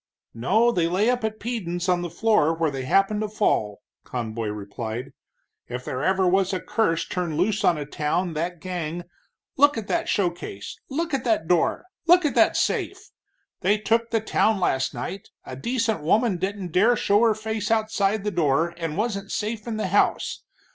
"No, they lay up at Peden's on the floor where they happen to fall," Conboy replied. "If there ever was a curse turned loose on a town that gang look at that showcase, look at that door, look at that safe. They took the town last night, a decent woman didn't dare to show her face outside the door and wasn't safe in the house.